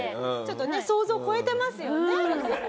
ちょっとね想像を超えてますよね。